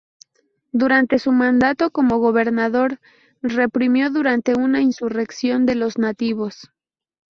Durante su mandato como gobernador, reprimió duramente una insurrección de los nativos.